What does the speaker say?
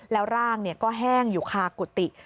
แล้วร่างก็แห้งอยู่คากุฏิ